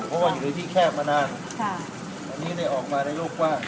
เพราะว่าอยู่ในที่แคบมานานค่ะอันนี้ได้ออกมาในโลกกว้าง